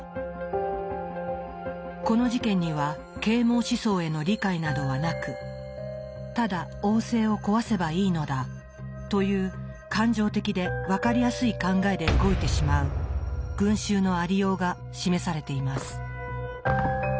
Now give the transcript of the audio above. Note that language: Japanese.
この事件には啓蒙思想への理解などはなく「ただ王政を壊せばいいのだ」という感情的でわかりやすい考えで動いてしまう群衆のありようが示されています。